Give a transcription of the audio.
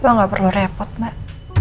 nggak perlu repot mbak